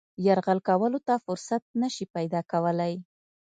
یرغل کولو ته فرصت نه شي پیدا کولای.